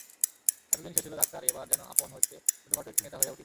এতদিন সে ছিল ডাক্তার, এবার যেন আপন হইতে ছোটখাটো একটি নেতা হইয়া উঠিতেছে।